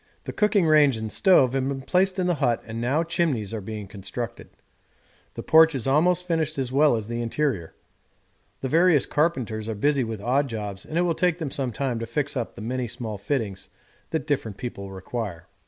The cooking range and stove have been placed in the hut and now chimneys are being constructed; the porch is almost finished as well as the interior; the various carpenters are busy with odd jobs and it will take them some time to fix up the many small fittings that different people require.